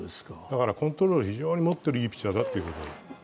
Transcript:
コントロール、非常にいいピッチャーだということです。